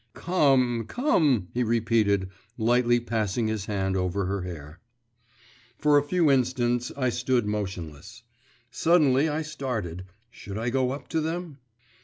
'Come, come,' he repeated, lightly passing his hand over her hair. For a few instants I stood motionless.… Suddenly I started should I go up to them?